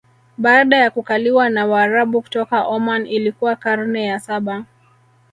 Baada ya kukaliwa na waarabu kutoka Oman Ilikuwa karne ya Saba